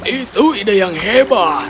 itu ide yang hebat